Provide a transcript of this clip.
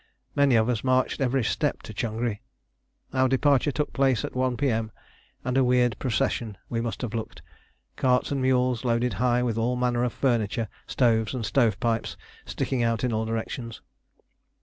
Many of us marched every step to Changri. Our departure took place at 1 P.M., and a weird procession we must have looked carts and mules loaded high with all manner of furniture, stoves and stove pipes sticking out in all directions.